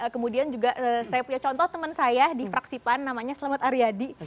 kemudian juga saya punya contoh teman saya di fraksipan namanya selamat aryadi